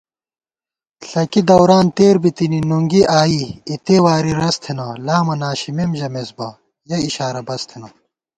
ݪَکی دوران تېر بِتِنی نُنگی آئی اِتےواری رَس تھنہ * لامہ ناشِمېم ژَمېس بہ یَک اِشارہ بس تھنہ